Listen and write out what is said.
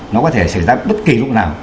nó có thể xảy ra bất kỳ lúc nào